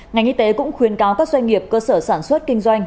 ngành y tế cũng khuyên cáo các doanh nghiệp cơ sở sản xuất kinh doanh